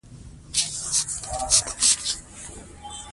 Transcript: په فونېم کې توپیر موجود دی.